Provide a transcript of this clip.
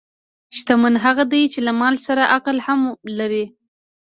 شتمن هغه دی چې له مال سره عقل هم لري.